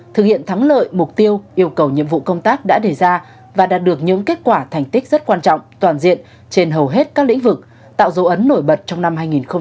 thực hiện thắng lợi mục tiêu yêu cầu nhiệm vụ công tác đã đề ra và đạt được những kết quả thành tích rất quan trọng toàn diện trên hầu hết các lĩnh vực tạo dấu ấn nổi bật trong năm hai nghìn hai mươi